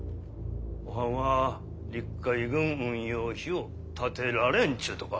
おはんは陸海軍ん運用費を立てられんちゅうとか？